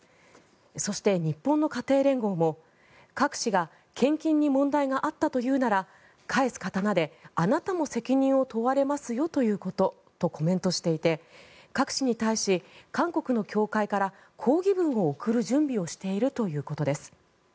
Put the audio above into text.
そして、日本の家庭連合もカク氏が献金に問題があったというなら返す刀であなたも責任を問われますよとコメントしていてカク氏に対し、韓国の教会から抗議文を送る準備をしているということです。